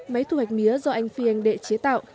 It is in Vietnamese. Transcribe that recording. máy thu hoạch mía do anh phi anh đệ chế tạo